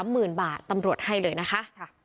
หมื่นบาทตำรวจให้เลยนะคะ